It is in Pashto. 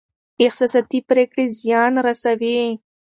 احساساتي پرېکړې زيان رسوي.